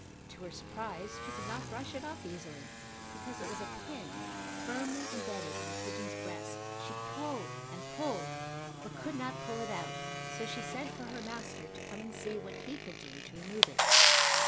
To her surprise she could not brush it off easily because it was a pin firmly embedded in the pigeon's breast. She pulled and pulled but could not pull it out so she sent for her master to come and see what he could do to remove it.